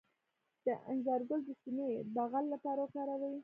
د انځر ګل د سینه بغل لپاره وکاروئ